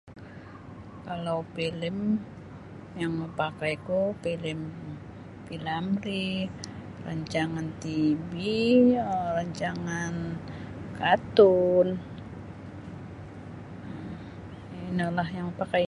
Kalau filem yang mapakaiku filem P.Ramlee rancangan tvnyo rancangan kartun um inolah yang mapakaiku.